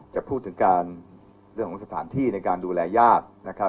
จะพูดถึงการเรื่องของสถานที่ในการดูแลญาตินะครับ